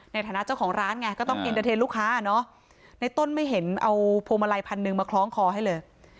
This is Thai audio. ในฐานะเจ้าของร้านไงก็ต้องเอ็นเตอร์เทนลูกค้าเนอะในต้นไม่เห็นเอาพวงมาลัยพันหนึ่งมาคล้องคอให้เลย